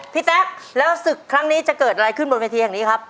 แต๊กแล้วศึกครั้งนี้จะเกิดอะไรขึ้นบนเวทีแห่งนี้ครับ